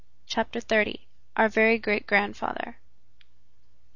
CHAPTER XXX. OUR VERY GREAT GRANDFATHER.